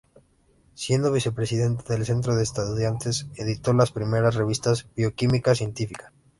Siendo vicepresidente del Centro de Estudiantes editó la primera revista "Bioquímicas Científica".